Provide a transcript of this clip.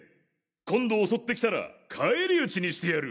今度襲ってきたら返り討ちにしてやる！